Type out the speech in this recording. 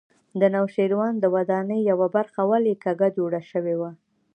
د نوشیروان د ودانۍ یوه برخه ولې کږه جوړه شوې وه.